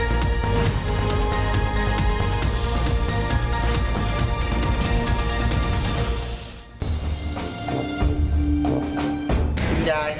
มีชีวิตที่สามารถรับความรู้สึกที่สุดในประโยชน์